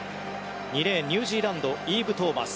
２レーンニュージーランドイーブ・トーマス。